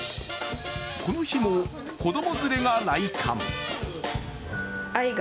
この日も子供連れが来館。